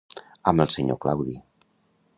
Amb el senyor Claudi.